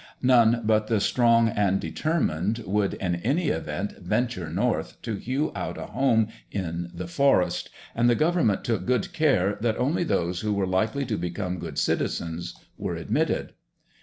None but the strong and determined would in any event venture north to hew out a home in the forest, and the government took good care that only those who were likely to become good citizens were admitted.